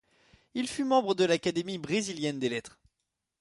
Il fut membre de l'Académie brésilienne des lettres.